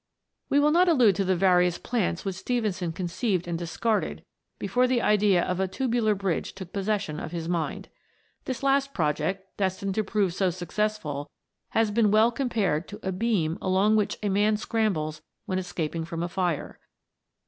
We will not allude to the various plans which Stephenson conceived and discarded before the idea THE WONDERFUL LAMP. 329 of a tubular bridge took possession of his mind. This last project, destined to prove so successful, has been well compared to a beam along which a man scrambles when escaping from a fire.